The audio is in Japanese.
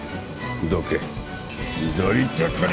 どけどいてくれ！